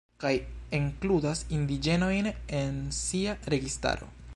Kaj enkludas indiĝenojn en sia registaro.